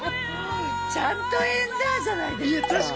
ちゃんと「エンダァ」じゃないですか！